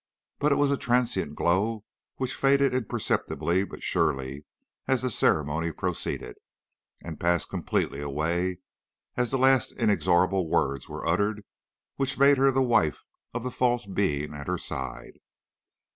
But it was a transient glow which faded imperceptibly but surely, as the ceremony proceeded, and passed completely away as the last inexorable words were uttered which made her the wife of the false being at her side.